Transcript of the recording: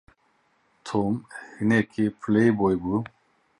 Tom hinekî playboy bû.